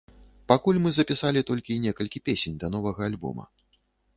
Пакуль мы запісалі толькі некалькі песень да новага альбома.